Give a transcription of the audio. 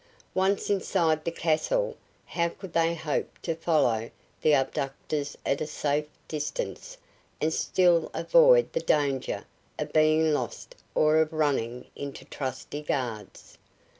Once inside the castle, how could they hope to follow the abductors at a safe distance and still avoid the danger of being lost or of running into trusty guards?